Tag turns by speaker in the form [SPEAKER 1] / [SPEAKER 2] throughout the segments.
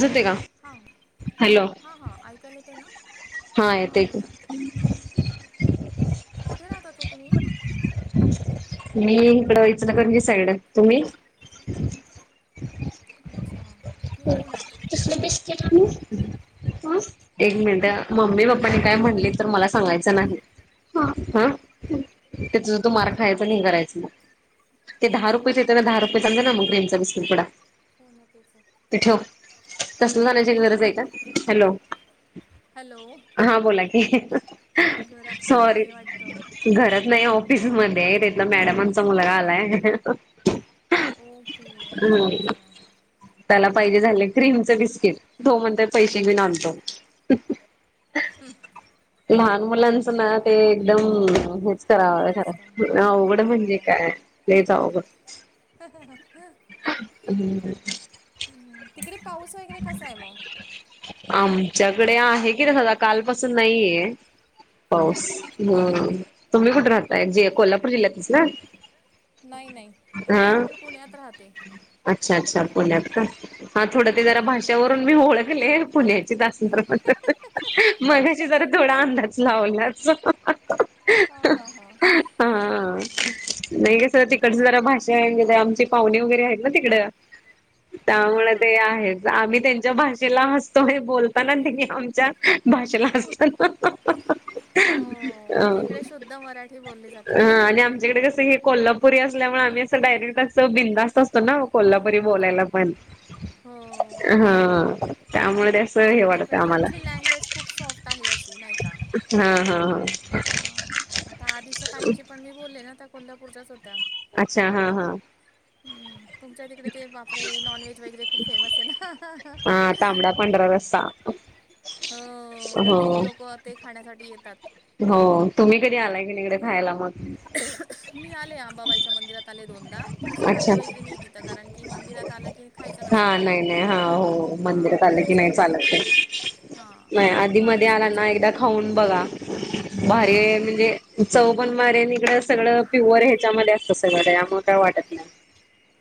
[SPEAKER 1] जते का
[SPEAKER 2] हां
[SPEAKER 1] हॅलो.
[SPEAKER 2] हां हां ऐकायला ते ना हां बोला
[SPEAKER 1] ह
[SPEAKER 2] कुठे राहतात ना तुम्ही
[SPEAKER 1] मी इकड वच नागणजी साईड तुम्ही
[SPEAKER 2] अच्छा मी
[SPEAKER 1] हो
[SPEAKER 2] पुण्यात
[SPEAKER 1] तसले बेसते का ह एक मिनिट मम्मी पप्पानी काय म्हणली तर मला सांगायचं नाही ह हा त्या तु मार खायच नाही करायचं ना ते दहा रुपेचेत ना दहा रुये सांज ना मग ग्रीमचा बस्ककीट कडा
[SPEAKER 2] पूर्ण केचं
[SPEAKER 1] ठेव तसल जाण्याची गरज आहे का हॅलो
[SPEAKER 2] हॅलो
[SPEAKER 1] हा बोला क
[SPEAKER 2] घरात कोणी
[SPEAKER 1] सॉरी
[SPEAKER 2] आहे वाटतं
[SPEAKER 1] घरच नाही ऑफिसमध्येध्ये तथला मॅडमांचा मुलगा आलाय
[SPEAKER 2] ओके अच्छा अच्छा
[SPEAKER 1] त्याला
[SPEAKER 2] हां हां
[SPEAKER 1] पाहिजे झाले क्रीमच बिस्किट तो म्हणत पैसे घेऊन आणतो. लहान मुलांचं ना ते एकदम हे
[SPEAKER 2] अवघड असतं
[SPEAKER 1] करावाखरा अवघडं
[SPEAKER 2] हो
[SPEAKER 1] म्हणजे काय लईच अवघड
[SPEAKER 2] [unintelligible]
[SPEAKER 1] [unintelligible]
[SPEAKER 2] हूं तिकडे पाऊस वगैरे कसाय म
[SPEAKER 1] आमच्याकडे आहे की तसा आता काल पासून नाहीये
[SPEAKER 2] हम्म,
[SPEAKER 1] पाऊस. होय तुम्ही कुठे राहताय जे कोल्हापूर जिल्ह्यातचं न
[SPEAKER 2] नाई नाई मी पुण्यात राहते.
[SPEAKER 1] अच्छा अच्छा पुण्यात का हा थोडं ते
[SPEAKER 2] हो
[SPEAKER 1] जरा भाषावरून मी ओळखले पुण्याचीच असं मगाशी जरा थोडा अंदाज लावलाच.
[SPEAKER 2] हा हा हा
[SPEAKER 1] हा नाही कस तिकडच
[SPEAKER 2] अच्छा
[SPEAKER 1] जरा भाषा अँग्ज हाय आमची पाहुणे वगैरे आहेत ना तिकड
[SPEAKER 2] हां हां
[SPEAKER 1] त्यामुळे
[SPEAKER 2] हां
[SPEAKER 1] ते आहेत ज आम्ही त्यांच्या भाषेला हसतो आणि बोलताना नेहमी आमच्या भाषेला हसतात. [inaudible]
[SPEAKER 2] हो इकडे शुद्ध मराठी बोलली जाते बऱ्यापैकी
[SPEAKER 1] तिकडे कस ही कोल्हापुरी असल्यामुळ आम्ही असं डायरेक्ट असं बिंदास्त असतो ना कोल्हापुरी बोलायला पण
[SPEAKER 2] हो.
[SPEAKER 1] हा त्यामुळे ते असं
[SPEAKER 2] नाय पण तुमची लँग्वेज खूप सॉफ्ट आहे अशी नाय का.
[SPEAKER 1] हा हा हा
[SPEAKER 2] हं आता आधीच्या ताईंची पण मी बोलले ना त्या कोल्हापूरच्याच होत्या.
[SPEAKER 1] अच्छा हा हा
[SPEAKER 2] हम्म, तुमच्या तिकडे ते बापरे! नॉनव्हेज वगैरे खूप फेमस ये ना
[SPEAKER 1] हा तांबडा पांढरा रस्सा
[SPEAKER 2] हो
[SPEAKER 1] हो
[SPEAKER 2] भरपूर लोकं ते खाण्यासाठी येतात.
[SPEAKER 1] हो तुम्ही कधी आलाय की नी इकडे खायला मग
[SPEAKER 2] मी आले आंबाबाईच्या मंदिरात आले दोनदा पण असं
[SPEAKER 1] अच्छा
[SPEAKER 2] खाल्लं वगैरे नई तिथं कारण की मंदिरात आलं की खायचं
[SPEAKER 1] हा
[SPEAKER 2] नसतं ना
[SPEAKER 1] नाय नाय हा हो मंदिरात
[SPEAKER 2] हां
[SPEAKER 1] आले की नाही
[SPEAKER 2] त्याच्यामुळे
[SPEAKER 1] चालतये.
[SPEAKER 2] हां
[SPEAKER 1] नाय
[SPEAKER 2] ते मी
[SPEAKER 1] आधी मधी आला ना
[SPEAKER 2] महालक्ष्मीचे
[SPEAKER 1] एकदा खाऊन बघा भारी ये
[SPEAKER 2] हां
[SPEAKER 1] म्हणजे चव पण भारी नी इकडं सगळं प्युअर ह्याच्यामध्ये असतं सगळं काय आम काय वाटत नाय.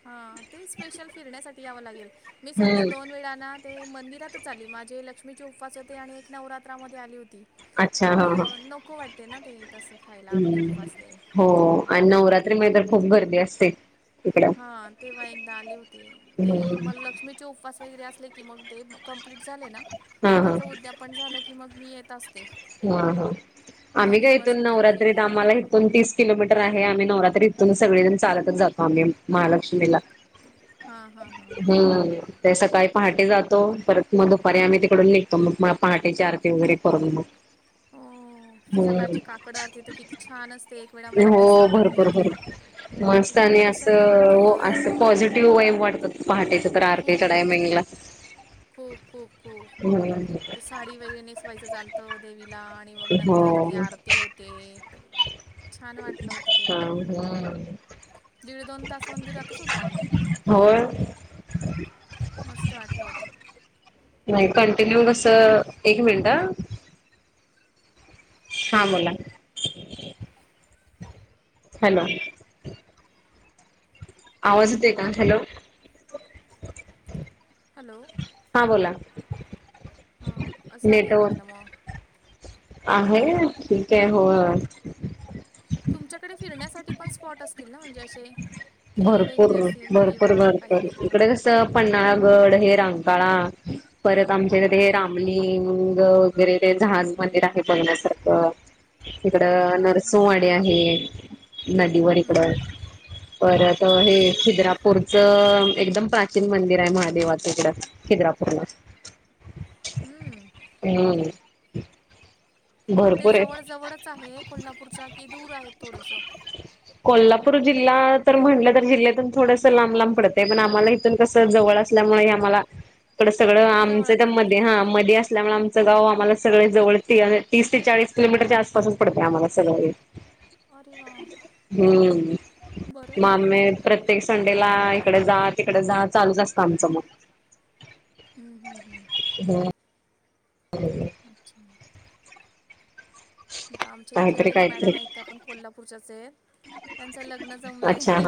[SPEAKER 2] हा ते स्पेशल फिरण्यासाठी यावं लागेल मी सध्या
[SPEAKER 1] हम्म.
[SPEAKER 2] दोन वेळा ना ते मंदिरातच आली माझे लक्ष्मीचे उपवास होते आणि एक नवरात्रामध्ये आली होत ती
[SPEAKER 1] अच्छा
[SPEAKER 2] मग
[SPEAKER 1] हा हा.
[SPEAKER 2] नको वाटते ना ते तसं खायला आपले
[SPEAKER 1] हम्म
[SPEAKER 2] उपवास ते
[SPEAKER 1] हो आणि
[SPEAKER 2] हां
[SPEAKER 1] नवरात्री मधी तर खूप गर्दी असते. इकडं.
[SPEAKER 2] हा तेव्हा एकदा आले होती ते
[SPEAKER 1] हम्म.
[SPEAKER 2] म लक्ष्मीचे उपवास वगैरे असले की मग ते म कम्प्लीट झाले ना
[SPEAKER 1] हा हा
[SPEAKER 2] त्याचं उद्यापन झालं की मग मी येत असते.
[SPEAKER 1] हा हा आम्ही
[SPEAKER 2] दोन
[SPEAKER 1] काय
[SPEAKER 2] एक
[SPEAKER 1] इथून
[SPEAKER 2] वर्षातून तरी
[SPEAKER 1] नवरात्रीत आम्हाला इथ इथून तीस किलोमीटर आहे आम्ही नवरात्री इथून सगळेजण चालतच जातो आम्ही महालक्ष्मीला
[SPEAKER 2] हां हां हां
[SPEAKER 1] बरे ते सकाळी पहाटे जातो परत म दुपारी आम्ही तिकडून निघतो मग म पहाटेची आरती वगैरे करून मग
[SPEAKER 2] हो ती सकाळची
[SPEAKER 1] हम्म
[SPEAKER 2] काकड आरती त किती छान असते एक वेळ आम्हाला तीच
[SPEAKER 1] हो
[SPEAKER 2] सापडली
[SPEAKER 1] भरपूर
[SPEAKER 2] होती.
[SPEAKER 1] भरपूर मस्त
[SPEAKER 2] इतकं
[SPEAKER 1] आणि
[SPEAKER 2] प्रसन्न
[SPEAKER 1] असं
[SPEAKER 2] वाटत होत.
[SPEAKER 1] हो असं पॉझिटिव्ह वाईब वाढतात. पहाटेच तर आरतीच्या
[SPEAKER 2] खूप
[SPEAKER 1] टायमिंगला
[SPEAKER 2] खूप खूप खूप
[SPEAKER 1] हूं
[SPEAKER 2] ते साडी वगैरे नेसवायचं चालतं देवी ला आणि मग
[SPEAKER 1] हो
[SPEAKER 2] नंतर ते आरती होते छान वाटलं होत तेव्हा
[SPEAKER 1] [unintelligible]
[SPEAKER 2] दीड दोन तास मंदिरातच होतो आम्ही.
[SPEAKER 1] होय.
[SPEAKER 2] मस्त वाटलं होतं.
[SPEAKER 1] नाही कंटिन्यू कसं, एक मिनिटं हां, बोला. हॅलो. आवाज येतोय का? हॅलो.
[SPEAKER 2] हॅलो.
[SPEAKER 1] हां बोला.
[SPEAKER 2] हा, असं आहे म्हटलं
[SPEAKER 1] नेटवर्क
[SPEAKER 2] मग.
[SPEAKER 1] आहे, ठीक आहे होय.
[SPEAKER 2] तुमच्याकडे फिरण्यासाठी पण स्पॉट असतील ना, म्हणजे असे. किल्ले
[SPEAKER 1] भरपूर,
[SPEAKER 2] वगैरे असतील
[SPEAKER 1] भरपूर,
[SPEAKER 2] किंवा काही
[SPEAKER 1] भरपूर
[SPEAKER 2] वेगळं
[SPEAKER 1] इकडे कसं. पन्नाळागड हे रंकाळा परत, आमच्या इथं
[SPEAKER 2] हां
[SPEAKER 1] रामलींग. वगैरे ते झाज मंदिर आहे बघण्यासारखं. इकडं
[SPEAKER 2] हां हां
[SPEAKER 1] नरसंवाडी आहे, नदीवर
[SPEAKER 2] हं,
[SPEAKER 1] इकडं.
[SPEAKER 2] हं.
[SPEAKER 1] परत हे
[SPEAKER 2] अच्छा
[SPEAKER 1] खिद्रा पूरचं एकदम प्राचीन मंदिर आहे, महादेवाच इकडं खिद्रापूरला. [inaudible]
[SPEAKER 2] हम्म.
[SPEAKER 1] हम्म.
[SPEAKER 2] मग ते
[SPEAKER 1] भरपूर आहे
[SPEAKER 2] जवळ जवळच आहे, कोल्हापूरच्या की दूर आहे थोडंसं.
[SPEAKER 1] कोल्हापूर जिल्हा तर म्हटलं तर, जिल्ह्यातून थोडसं लांब लांब पडतय, पण आम्हाला इथून कसं जवळ असल्यामुळ आम्हाला. इकड सगळं
[SPEAKER 2] जवळ
[SPEAKER 1] आमचं तर
[SPEAKER 2] पडते
[SPEAKER 1] मध्ये, हा
[SPEAKER 2] हां
[SPEAKER 1] मध्ये असल्यामुळे आमचं गाव आम्हाला सगळे जवळ ते तीस ते चाळीस किलोमीटरच्या आसपास पडतंय आम्हाला सगळ हे.
[SPEAKER 2] अरे वा!
[SPEAKER 1] हम्म..
[SPEAKER 2] बरं आहे मग.
[SPEAKER 1] [unintelligible] प्रत्येक संडे ला, इकडे जा तिकडे जा. चालूच असतं आमचं मग.
[SPEAKER 2] हम.
[SPEAKER 1] हम. [inaudible]
[SPEAKER 2] हं. अच्छा. इथं आमच्या इथल्या
[SPEAKER 1] काहीतरी
[SPEAKER 2] एक मॅडम
[SPEAKER 1] काहीतरी
[SPEAKER 2] आहेत. त्यापण कोल्हापूरच्याच आहेत, त्यांचं लग्न
[SPEAKER 1] अच्छा हा
[SPEAKER 2] जमलंय.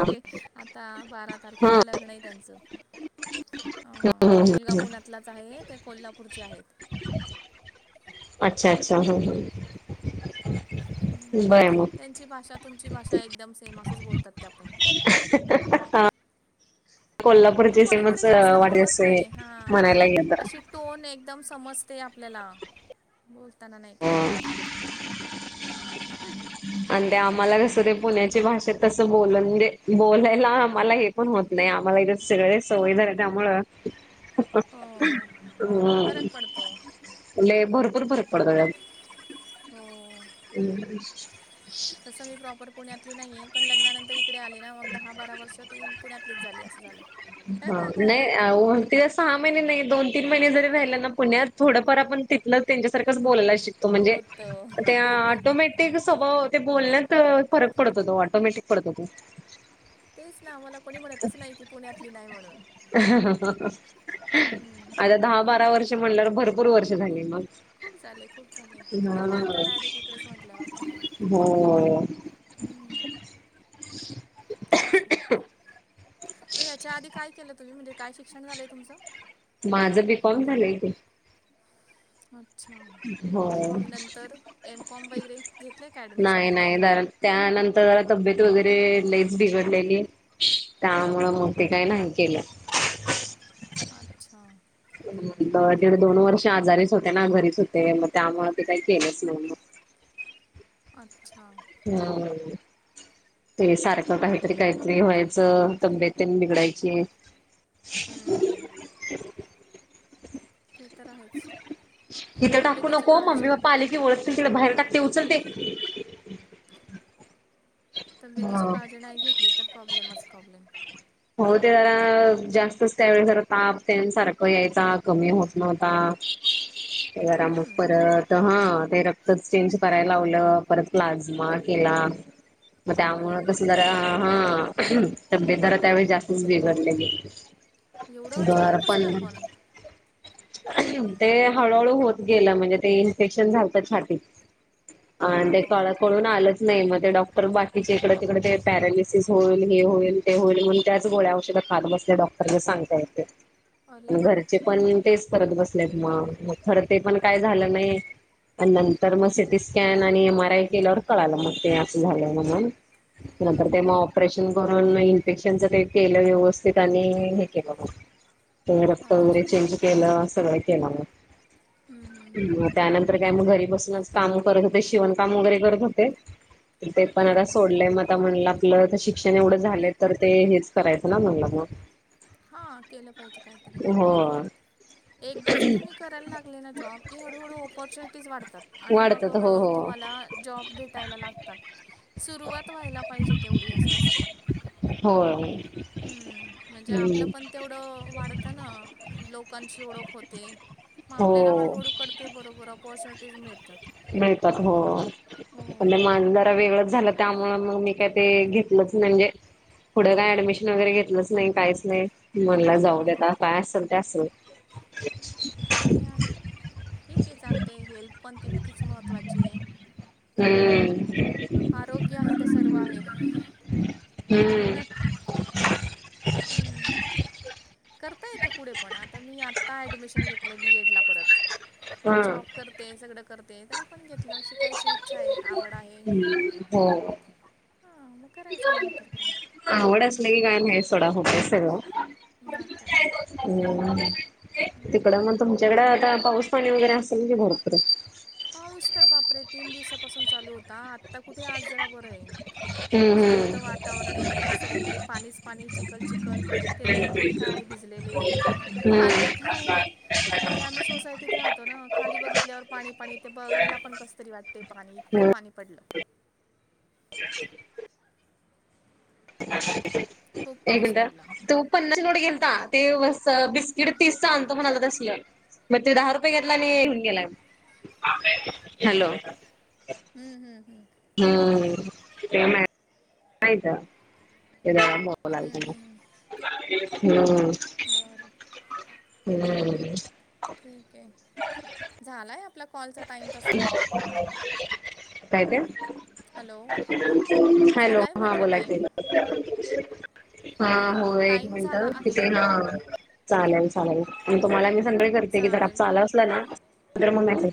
[SPEAKER 2] आता बारा
[SPEAKER 1] हा
[SPEAKER 2] तारखेला लग्न आहे त्याचं, अ
[SPEAKER 1] हम्म हम्म
[SPEAKER 2] मुलगा पुण्यातला. आहे ते कोल्हापूरचे आहेत.
[SPEAKER 1] अच्छा अच्छा, हम् हम्.
[SPEAKER 2] हम्म, त्यांची भाषा तुमची भाषा, एकदम सेम असंच बोलतात त्यापण.
[SPEAKER 1] हां.
[SPEAKER 2] मग
[SPEAKER 1] कोल्हापूरची
[SPEAKER 2] कोणी
[SPEAKER 1] सिमाच
[SPEAKER 2] कोणी जास्त
[SPEAKER 1] वाटत
[SPEAKER 2] बोलत
[SPEAKER 1] असेल.
[SPEAKER 2] नाही. हां,
[SPEAKER 1] म्हणायला
[SPEAKER 2] हां.
[SPEAKER 1] गेलं
[SPEAKER 2] अशी टोन एकदम समजते आपल्याला, बोलताना नाही का
[SPEAKER 1] तर.
[SPEAKER 2] हां.
[SPEAKER 1] आणि ते आम्हाला कसं ते, पूण्याची भाषा तसं बोले बोलायला आम्हाला येत. पण होत नाही, आम्हांला इथं सगळे सवयी झाले त्यामुळं.
[SPEAKER 2] हो.
[SPEAKER 1] हम्म..
[SPEAKER 2] फरक पडतो.
[SPEAKER 1] लई भरपूर फरक पडतो त्यान.
[SPEAKER 2] हो.
[SPEAKER 1] [unintelligible]
[SPEAKER 2] तस मी प्रॉपर पुण्यातली नाहीये, पण लग्नानंतर इ इकडे आली ना, मग दहा बारा वर्ष ती पुण्यातलीच झाली असं झालं.
[SPEAKER 1] आ ओ ते सहा महिने नाही दोन तीन महिने जरी राहिल ना, पुण्यात थोडंफार आपण तिथलं त्यांच्यासारखंच बोलायला शिक तो म्हणजे,
[SPEAKER 2] होत
[SPEAKER 1] त्या ऑटोमॅटिक ते स्वभाव ते बोलण्यात फरक पडतो तो ऑटोमॅटिक पडतो तो
[SPEAKER 2] तेच ना मला कोणी म्हणतच नाही की पुण्यातली नाही म्हणून हम्म.
[SPEAKER 1] आता दहा बारा वर्ष म्हणल्यावर भरपूर वर्ष झाली मग
[SPEAKER 2] खूप झाले, खूप झाले. लग्नानंतर डायरेक्ट इकडेच म्हटल्यावर काय
[SPEAKER 1] हम्म. [inaudible]
[SPEAKER 2] तेच ना. मग याच्या आधी काय केलं तुम्ही म्हणजे काय शिक्षण झालंय तुमचं?
[SPEAKER 1] माझं बी कॉम झालंय कि.
[SPEAKER 2] अच्छा
[SPEAKER 1] हो
[SPEAKER 2] बी कॉम नंतर एम कॉम वगैरे घेतलंय का ॲडमिशन?
[SPEAKER 1] [unintelligible] त्यानंतर जरा तब्येत वगैरे लईच बिघडलेली त्यामुळं मग ते काय नाही केल.
[SPEAKER 2] अच्छा
[SPEAKER 1] दीड दोन वर्ष आजारीच होते ना. घरीच होते. मग त्यामुळ ते काही केलंच नाही मग.
[SPEAKER 2] अच्छा.
[SPEAKER 1] हम्म. ते सारखं काहीतरी काहीतरी व्हायचं. तब्येत तेन बिघडायची.
[SPEAKER 2] हम्म. ते तर आहेच.
[SPEAKER 1] इथं टाकू
[SPEAKER 2] तब्येतीची
[SPEAKER 1] नको. मम्मी
[SPEAKER 2] काळजी
[SPEAKER 1] पप्पा आले की ओरडतील. तिकड बाहेर टाक ते उचल ते.
[SPEAKER 2] तब्येतीची
[SPEAKER 1] हा
[SPEAKER 2] काळजी नाही घेतली तर प्रॉब्लेमच प्रॉब्लेम.
[SPEAKER 1] हो ते जरा जास्तच त्यावेळी जरा ताप तेन सारखं यायचा कमी होत नव्हता. ते जरा मग
[SPEAKER 2] हम्म,
[SPEAKER 1] परत तर हा ते रक्त चेंज करायला लावलं. परत प्लाझ्मा केला. मग
[SPEAKER 2] बापरे
[SPEAKER 1] त्यामुळ कसं जरा हा, तब्येत जरा त्यावेळी जास्तच बिघडलेली.
[SPEAKER 2] एवढं अचानक
[SPEAKER 1] दर
[SPEAKER 2] कसं काय पण
[SPEAKER 1] [unintelligible] ते हळूहळू होत गेलं म्हणजे ते इन्फेक्शन झालतं छातीत. अ
[SPEAKER 2] आ,
[SPEAKER 1] ते काळ कोडून आलंच - - नाही मग ते डॉक्टर बाकीचे इकड तिकडे ते पॅरलिसिस होईल हे होईल ते होईल म्हणुन त्याच गोळ्या औषध खात बसले डॉक्टर सांगता येत ते
[SPEAKER 2] अरे
[SPEAKER 1] आणि घरचे
[SPEAKER 2] बापरे
[SPEAKER 1] पण - - तेच करत बसलेत मग म खरं ते पण काय झालं नाही. आणि नंतर मग सिटी स्कॅन आणि एम आर आय केल्यावर कळालं मग ते असं झालंय म्हणून नंतर
[SPEAKER 2] हम्म,
[SPEAKER 1] तेव्हा ऑपरेशन [unintelligible] पेशंटचं काहि केलं व्यवस्थित आणि हे केलं मग ते रक्त वगैरे
[SPEAKER 2] अच्छा
[SPEAKER 1] चेंज
[SPEAKER 2] हम्म,
[SPEAKER 1] केलं सगळं केलं
[SPEAKER 2] हम्म, हम्म,
[SPEAKER 1] मग ह
[SPEAKER 2] हम्म.
[SPEAKER 1] त्यानंतर काय मग घरी बसूनच काम करत होते शिवणकाम वगैरे करत होते. ते पण
[SPEAKER 2] हम्म,
[SPEAKER 1] आता
[SPEAKER 2] हम्म.
[SPEAKER 1] सोडलंय म आता म्हणलं आपलं तर शिक्षण एवढं झालंय तर ते हेच करायचं ना म्हणलं मग.
[SPEAKER 2] हां केलं पाहिजे काहीतरी.
[SPEAKER 1] हो
[SPEAKER 2] एकदाचं तुम्ही करायला लागले ना जॉब की हळूहळू ऑपॉर्च्युनिटीज वाढतात आणि मग
[SPEAKER 1] वाढतात हो
[SPEAKER 2] हळूहळू
[SPEAKER 1] हो
[SPEAKER 2] तुम्हाला जॉब भेटायला लागतात. सुरुवात व्हायला पाहिजे तेवढी अस असतय.
[SPEAKER 1] होय.
[SPEAKER 2] हम्म. म्हणजे आप पलं
[SPEAKER 1] हम्म
[SPEAKER 2] पण तेवढं वाढतं ना लोकांची ओळख होते. मग आपल्याला
[SPEAKER 1] हो
[SPEAKER 2] हळूहळू कडते बरोबर ऑपॉर्च्युनिटीज मिळतात.
[SPEAKER 1] मिळतात हो.
[SPEAKER 2] हो
[SPEAKER 1] पण ते माज जरा वेगळंच झालं त्यामुळे मग मी काय ते घेतलंच नाही, म्हणजे पुढं काय ऍडमिशन वगैरे घेतलंच नाही. कायच नाही. म म्हणल
[SPEAKER 2] हां
[SPEAKER 1] जाऊ द्या
[SPEAKER 2] हां
[SPEAKER 1] आता काय असेल ते असल.
[SPEAKER 2] ते आहे. ठीके चालयत हेल्प पण तितकीच महत्त्वाचीये.
[SPEAKER 1] हम्म.
[SPEAKER 2] आरोग्य आहे तर, सर्व आहे.
[SPEAKER 1] हं
[SPEAKER 2] हम्मं करतां येते पुढे पणं आतां मी आतां ऍडमिशन घेतले बीएड लां परंत
[SPEAKER 1] हा
[SPEAKER 2] जॉब करतें सगळं करतें तरी पणं घेतलं शिकायचं ईच्छा आहे आवडं आहे
[SPEAKER 1] हो हो
[SPEAKER 2] हां मं करांयचां नतरं काॅल
[SPEAKER 1] आवडं असलं की कायं नाहीं सोंडा होतं सगळं
[SPEAKER 2] मंग कायं
[SPEAKER 1] हो तिकडं मंग तुमच्यांकडें आतां पाऊस पाणी वगैरें असेल कां भरंपूर
[SPEAKER 2] पाऊस्तंर बांपरे तीनं दिवसांपासून चालूं होतां आतां कुंठे आंज जरां बरं आहे
[SPEAKER 1] हम्म
[SPEAKER 2] शांत वातांवरण आहे नाहीं तरं सगळींकडे पाणीचं पाणी चिखलं चिखलं ते रेनकोट कायं भिजलेले ते
[SPEAKER 1] हम्म
[SPEAKER 2] पाणी
[SPEAKER 1] हम्म
[SPEAKER 2] कायं अ रे आम्हीं सोसांयटीत राहतो नां खांली बघितल्यांवर पाणी पाणी ते बघायलां पणं कसं तरी वाटतें पाणी इतकं पाणी पडलं
[SPEAKER 1] ह [unintelligible]
[SPEAKER 2] खूप
[SPEAKER 1] एक
[SPEAKER 2] पाऊस
[SPEAKER 1] गंदा
[SPEAKER 2] पडला
[SPEAKER 1] तूं पन्नासवची घेऊन गेलतां नां ते बिस्किट तीस चे आणतो म्हणालां शिंवम मंग ते दहां रुपये घेतलां आणि येऊंन गेलां हॅलो
[SPEAKER 2] हम्मं हम्मं हम्मं
[SPEAKER 1] हम्मं ते आयतां एलांग झोपालागली हम्मं
[SPEAKER 2] बरं
[SPEAKER 1] हम्म
[SPEAKER 2] ठीकं आहे झालायं आपलां आपलां कॉलचां टाईम तसां
[SPEAKER 1] पाहिद्या [unintelligible]
[SPEAKER 2] हॅलो
[SPEAKER 1] हॅलो
[SPEAKER 2] झाला आहे
[SPEAKER 1] हां
[SPEAKER 2] म्हटलं
[SPEAKER 1] बोलां की
[SPEAKER 2] टाईम
[SPEAKER 1] हां हो एक
[SPEAKER 2] टाईम
[SPEAKER 1] मिनिटं
[SPEAKER 2] झाला
[SPEAKER 1] तिथे
[SPEAKER 2] आहे
[SPEAKER 1] हां- चालेल -चालेल मंग तुम्हांला मी सांगते घरांत
[SPEAKER 2] चालेल
[SPEAKER 1] चालावं चं लागेल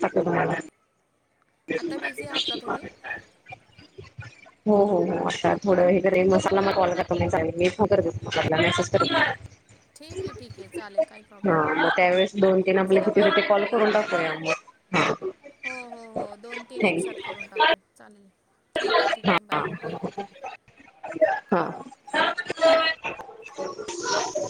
[SPEAKER 2] आता
[SPEAKER 1] [inaudible]
[SPEAKER 2] बिझी आहात का तुम्ही
[SPEAKER 1] [unintelligible] हो -हो -हो आतां थोडं हे करे मसाला मंग कॉल करी चांगली मी करं आपलां मेसेज करं हां
[SPEAKER 2] ठीक आहे ठीक आहे चालेल काही प्रॉब्लेम
[SPEAKER 1] मंग
[SPEAKER 2] नाही
[SPEAKER 1] त्यांवेेळेस दोन तीनं आपले
[SPEAKER 2] चला
[SPEAKER 1] किती
[SPEAKER 2] बाय
[SPEAKER 1] होते कॉल
[SPEAKER 2] हो
[SPEAKER 1] करूंन टाकतोया हा [unintelligible]
[SPEAKER 2] हो हो हो दोन तीनं एक सांथ करूंन टाकूं चालेल ठीकं आहे ठीकं आहे बाय
[SPEAKER 1] हो [unintelligible] हां